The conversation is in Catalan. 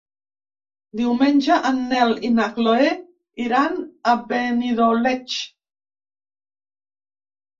Diumenge en Nel i na Chloé iran a Benidoleig.